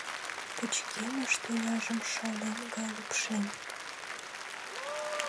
Пычкемыш тӱняжым шолем гай лупшен.